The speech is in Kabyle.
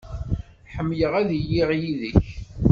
Ḥemmleɣ ad iliɣ yid-k.